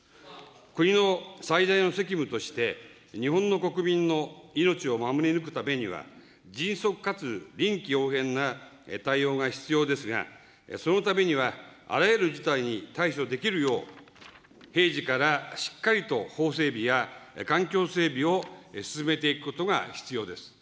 国の最大の責務として、日本の国民の命を守り抜くためには、迅速かつ臨機応変な対応が必要ですが、そのためには、あらゆる事態に対処できるよう、平時からしっかりと法整備や環境整備を進めていくことが必要です。